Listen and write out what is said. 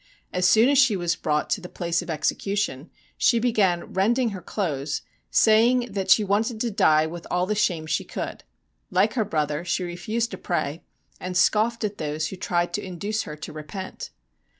As soon as she was brought to the place of execution she began rending her clothes, saying that she wanted to die ' with all the shame she could.' Like her brother, she refused to pray, and scoffed at those who tried to induce her to repent.